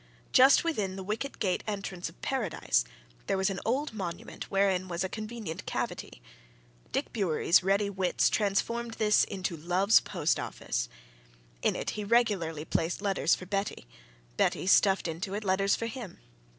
Just within the wicket gate entrance of Paradise there was an old monument wherein was a convenient cavity Dick Bewery's ready wits transformed this into love's post office. In it he regularly placed letters for Betty: Betty stuffed into it letters for him.